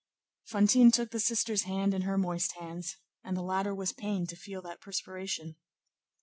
Fantine took the sister's hand in her moist hands, and the latter was pained to feel that perspiration.